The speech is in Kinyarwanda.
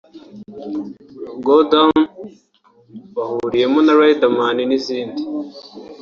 ‘ Go down’ bahuriyemo na Riderman n’izindi